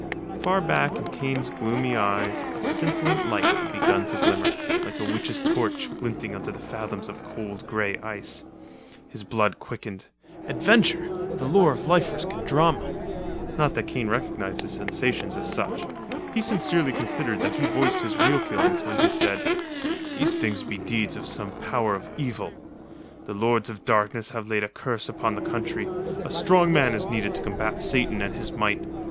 Far back in Kane's gloomy eyes a scintillant light had begun to glimmer, like a witch's torch glinting under fathoms of cold grey ice. His blood quickened. Adventure! The lure of life risk and drama! Not that Kane recognized his sensations as such. He sincerely considered that he voiced his real feelings when he said: "These things be deeds of some power of evil. The lords of darkness have laid a curse upon the country. A strong man is needed to combat Satan and his might.